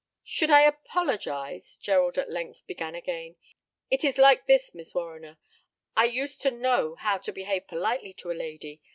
"Should I apologize?" Gerald at length began again. "It is like this, Miss Warriner. I used to know how to behave politely to a lady.